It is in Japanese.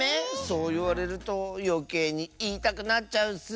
そういわれるとよけいにいいたくなっちゃうッス。